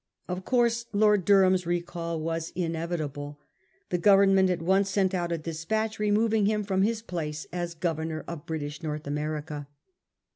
Of course Lord Durham's recall was unavoidable. The Government at once sent out a despatch removing him from his place as Governor of British North America.